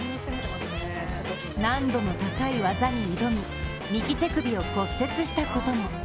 難度の高い技に挑み右手首を骨折したことも。